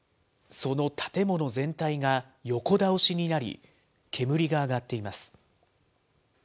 その建物全体が横倒しになり、煙が上がっています。